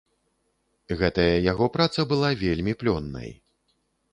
Гэтая яго праца была вельмі плённай.